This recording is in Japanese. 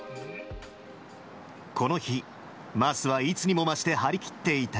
この日、桝はいつにも増して張り切っていた。